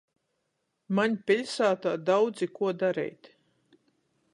Maņ piļsātā daudzi kuo dareit.